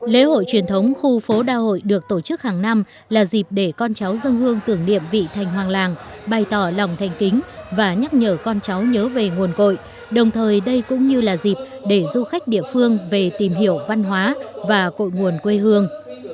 lễ hội truyền thống khu phố đa hội được tổ chức hàng năm là dịp để con cháu dân hương tưởng niệm vị thành hoàng làng bày tỏ lòng thành kính và nhắc nhở con cháu nhớ về nguồn cội đồng thời đây cũng như là dịp để du khách địa phương về tìm hiểu văn hóa và cội nguồn quê hương